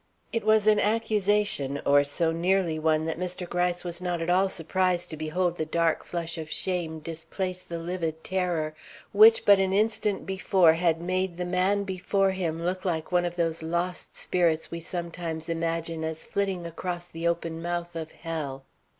It was an accusation, or so nearly one, that Mr. Gryce was not at all surprised to behold the dark flush of shame displace the livid terror which but an instant before had made the man before him look like one of those lost spirits we sometimes imagine as flitting across the open mouth of hell.